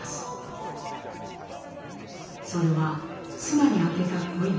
それは妻に宛てた恋文。